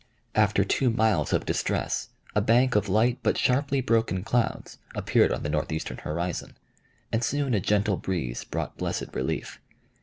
After two miles of distress, a bank of light but sharply broken clouds appeared on the northeastern horizon, and soon a gentle breeze brought blessed relief.